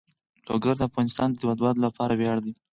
لوگر د افغانستان د هیوادوالو لپاره ویاړ دی.